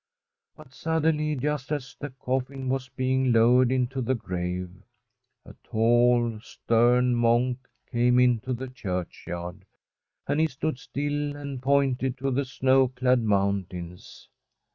But suddenly, just as the coffin was being low ered into the grave, a tall, stern monk came into the churchyard, and he stood still and pointed to the snow clad mountains.